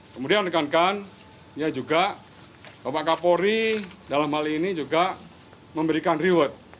kemudian dikankan ya juga bapak bapak pori dalam hal ini juga memberikan reward